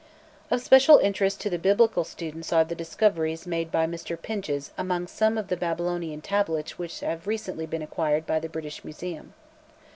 Of special interest to the biblical student are the discoveries made by Mr. Pinches among some of the Babylonian tablets which have recently been acquired by the British Museum.